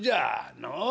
のう。